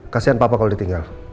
kasian papa kalau ditinggal